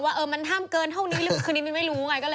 ว่ามันห้ามเกินเท่านี้หรือคืนนี้มินไม่รู้ไง